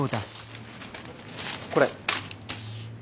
これ。